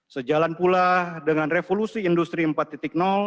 sejalan pula dengan revolusi industri empat